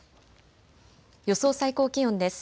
予想最高気温です。